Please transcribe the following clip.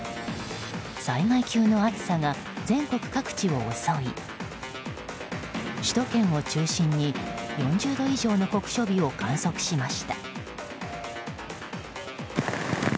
災害級の暑さが全国各地を襲い首都圏を中心に４０度以上の酷暑日を観測しました。